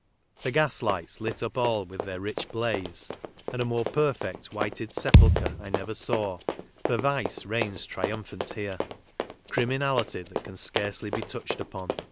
The gaslights lit up all with their rich blaze ; and a more perfect whited sepulchre I never saw, for Vice reigns triumphant here— criminality that can scarcely be touched upon.